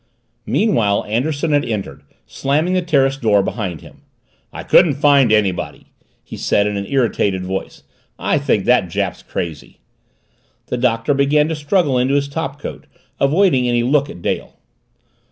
Meanwhile Anderson had entered, slamming the terrace door behind him. "I couldn't find anybody!" he said in an irritated voice. "I think that Jap's crazy." The Doctor began to struggle into his topcoat, avoiding any look at Dale.